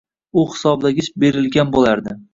U hisoblagich berilgan bo‘lardi.